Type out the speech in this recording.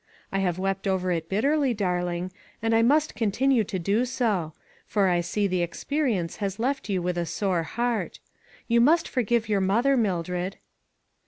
I have wept over it bitterly, darling, and I must continue to do so ; fcr I see the experience has left you with a sore heart. You must forgive your mother, Mildred."